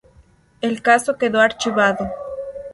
El caso quedó archivado.